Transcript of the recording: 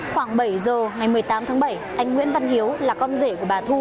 khoảng bảy giờ ngày một mươi tám tháng bảy anh nguyễn văn hiếu là con rể của bà thu